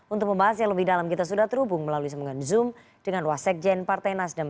untuk membahas yang lebih dalam kita sudah terhubung melalui semuanya zoom dengan wasekjen partai nasdem